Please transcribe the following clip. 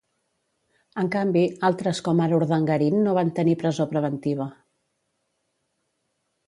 En canvi, altres com ara Urdangarin no van tenir presó preventiva.